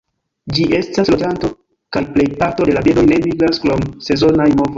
Ĝi estas loĝanto, kaj plej parto de la birdoj ne migras, krom sezonaj movoj.